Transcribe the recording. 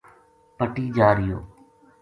پٹی جا رہیو